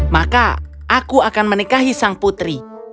maka aku akan menikahi sang putri